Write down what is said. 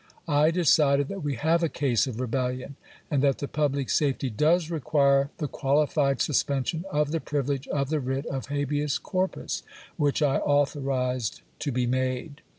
I decided that we have a case of rebellion, and that the public safety does require the quaUfied suspension of the privilege of the writ of habeas corpus, which I authorized to be made.